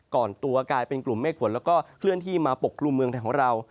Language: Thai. ก่อนตัวกลายเป็นกลุ่มเมฆฝนแล้วก็เคลื่อนที่มาปกกลุ่มเมืองไทยของเรา